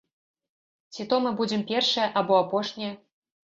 Ці то мы будзем першыя, або апошнія?